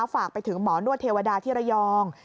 ฝากไปถึงหมอนวดเทวดาที่ระยอง